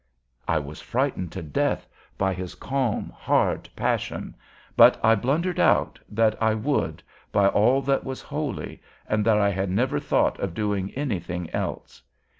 I was frightened to death by his calm, hard passion; but I blundered out that I would, by all that was holy, and that I had never thought of doing anything else.